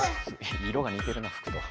色が似てるな服と。